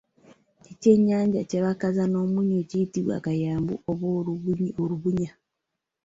Ekyennyanja kye bakaza n’omunnyo kiyitibwa Akayabu oba Olubunya